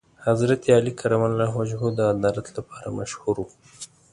حضرت علی کرم الله وجهه د عدالت لپاره مشهور و.